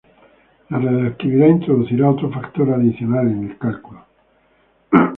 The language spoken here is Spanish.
La radiactividad introducirá otro factor adicional en el cálculo.